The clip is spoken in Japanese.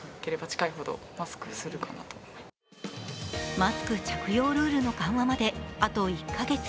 マスク着用ルールの緩和まであと１か月。